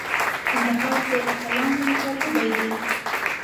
کندهار د اتلانو ټاټوبی دی.